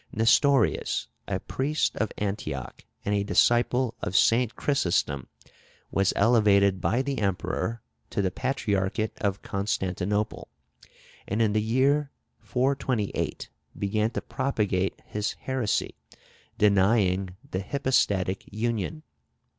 Nestorius, a priest of Antioch and a disciple of St. Chrysostom, was elevated by the emperor to the patriarchate of Constantinople, and in the year 428 began to propagate his heresy, denying the hypostatic union.